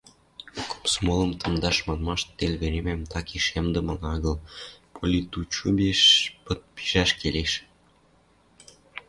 Комсомолым тымдаш манмашты, тел веремӓм такеш ямдымыла агыл: политучебыш пыт пижӓш келеш.